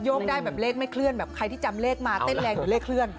ได้แบบเลขไม่เคลื่อนแบบใครที่จำเลขมาเต้นแรงหรือเลขเคลื่อน